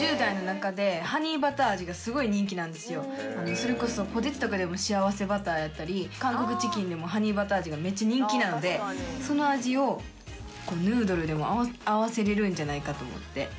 それこそポテチとかでも「しあわせバタ」やったり韓国チキンでもハニーバター味がめっちゃ人気なんでその味をヌードルでも合わせれるんじゃないかと思って。